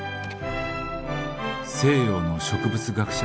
「西洋の植物学者